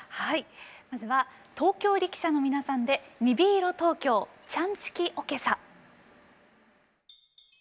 まずは東京力車の皆さんで「ニビイロトーキョーチャンチキおけさ」。